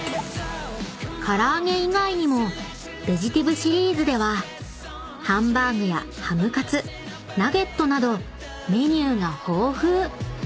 ［から揚げ以外にもベジティブシリーズではハンバーグやハムカツナゲットなどメニューが豊富］